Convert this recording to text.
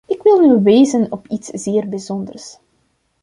Ik wil nu wijzen op iets zeer bijzonders.